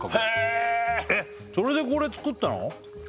えっそれでこれ作ったの？